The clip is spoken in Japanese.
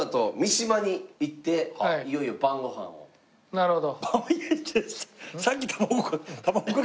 なるほど。